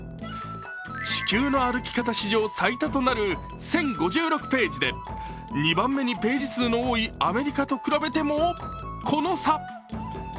「地球の歩き方」史上最多となる１０５６ページで２番目にページ数の多いアメリカと比べても、この差。